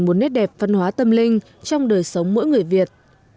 một nét đẹp văn hóa tâm linh trong đời sống mỗi người việt